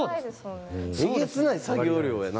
えげつない作業量やな。